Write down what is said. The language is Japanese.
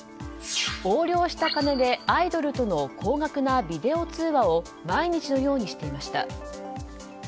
横領した金でアイドルとの高額なビデオ通話を毎日のようにしていました。